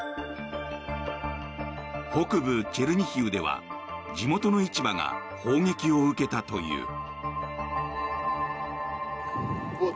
北部チェルニヒウでは地元の市場が砲撃を受けたという。